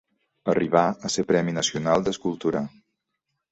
Arribà a ser Premi Nacional d'Escultura.